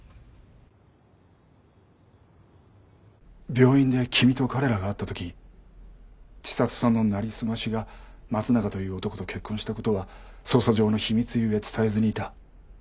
病院で君と彼らが会った時知里さんのなりすましが松永という男と結婚した事は捜査上の秘密ゆえ伝えずにいた。